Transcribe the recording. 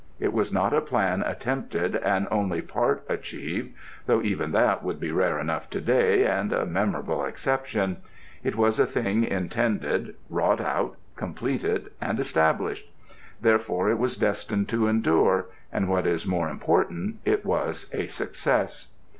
It was not a plan attempted and only part achieved (though even that would be rare enough to day, and a memorable exception); it was a thing intended, wrought out, completed and established. Therefore it was destined to endure and, what is more important, it was a success.